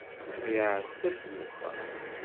Ay aɛessas n uxxam.